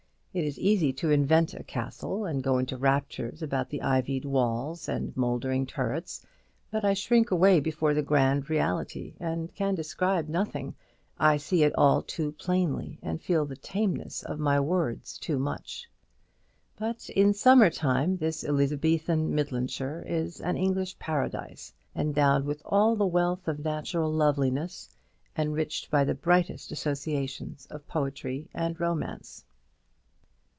It is easy to invent a castle, and go into raptures about the ivied walls and mouldering turrets; but I shrink away before the grand reality, and can describe nothing; I see it all too plainly, and feel the tameness of my words too much. But in summer time this Elizabethan Midlandshire is an English paradise, endowed with all the wealth of natural loveliness, enriched by the brightest associations of poetry and romance.